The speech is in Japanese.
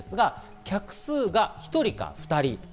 客数が１人か２人。